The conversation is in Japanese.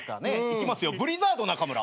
いきますよブリザードナカムラ。